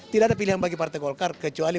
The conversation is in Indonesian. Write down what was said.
tidak ada pilihan bagi partai golkar kecuali